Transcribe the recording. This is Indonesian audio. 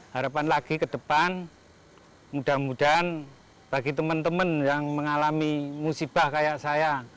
harapan lagi ke depan mudah mudahan bagi teman teman yang mengalami musibah kayak saya